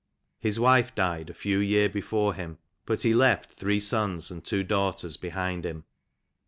His wife died a few years before him, but he left three sons and two daughters behind him."